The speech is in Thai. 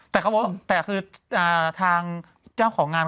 แต่คือทางเจ้าของงาน